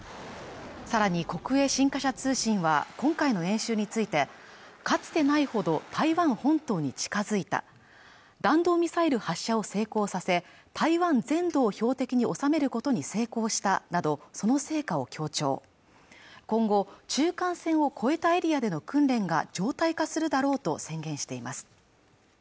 さらに国営新華社通信は今回の演習についてかつてないほど台湾本島に近づいた弾道ミサイル発射を成功させ台湾全土を標的に収めることに成功したなどその成果を強調今後中間線を越えたエリアでの訓練が常態化するだろうと宣言しています